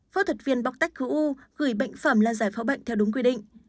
phẫu thuật viên bóc tách khứ u gửi bệnh phẩm lan giải phẫu bệnh theo đúng quy định